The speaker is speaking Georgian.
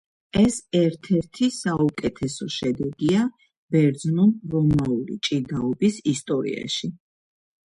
ეს ერთ-ერთი საუკეთესო შედეგია ბერძნულ-რომაული ჭიდაობის ისტორიაში.